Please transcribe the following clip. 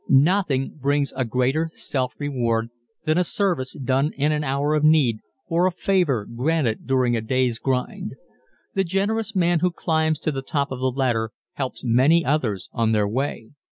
Nothing brings a greater self reward than a service done in an hour of need, or a favor granted during a day's grind. The generous man who climbs to the top of the ladder helps many others on their way.